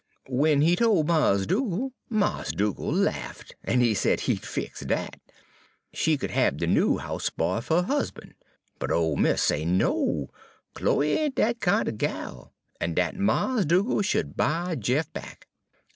"Wen he tol' Mars' Dugal', Mars' Dugal' lafft, en said he 'd fix dat. She could hab de noo house boy fer a husban'. But ole mis' say, no, Chloe ain' dat kin'er gal, en dat Mars' Dugal' sh'd buy Jeff back.